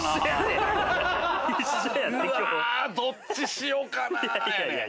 どっちしようかなって。